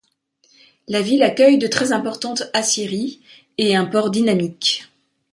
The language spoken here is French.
La ville accueille de très importantes aciéries et un port dynamique.